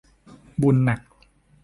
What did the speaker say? บุญหนัก